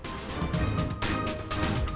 terima kasih semua ett duan